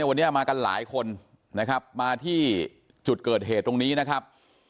วันนี้มากันหลายคนนะครับมาที่จุดเกิดเหตุตรงนี้นะครับ